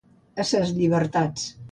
A ses llibertats.